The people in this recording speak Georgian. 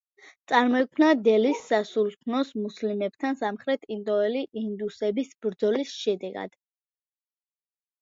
წარმოიქმნა დელის სასულთნოს მუსლიმებთან სამხრეთ ინდოელი ინდუსების ბრძოლის შედეგად.